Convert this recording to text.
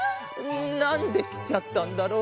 なんできちゃったんだろう。